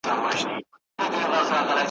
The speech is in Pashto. خدای ورکړی په قدرت ښکلی جمال وو ,